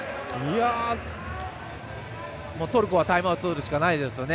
トルコはタイムアウトを取るしかないですよね。